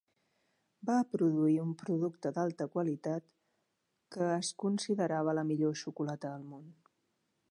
Va produir un producte d'alta qualitat que es considerava la millor xocolata del món.